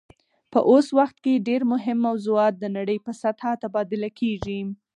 په اوس وخت کې ډیر مهم موضوعات د نړۍ په سطحه تبادله کیږي